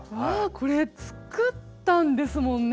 これ作ったんですもんね。